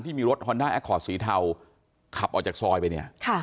ที่มีรถฮอนด้าแอคคอร์ดสีเทาขับออกจากซอยไปเนี่ย